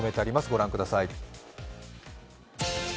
ご覧ください。